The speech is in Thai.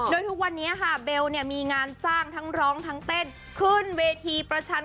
โดยทุกวันนี้ค่ะเบลเนี่ยมีงานจ้างทั้งร้องทั้งเต้นขึ้นเวทีประชัน